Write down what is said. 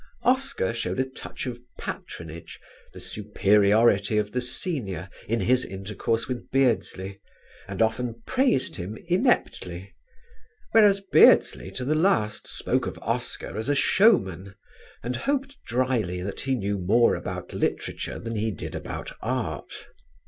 Oscar showed a touch of patronage, the superiority of the senior, in his intercourse with Beardsley, and often praised him ineptly, whereas Beardsley to the last spoke of Oscar as a showman, and hoped drily that he knew more about literature than he did about art.